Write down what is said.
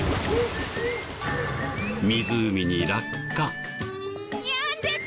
湖に落下。